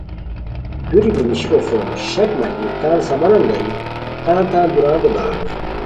دُوری بی نیشیکو سُم شک ملگیری تان سامانن گانی تان تان دُورانتے بغانی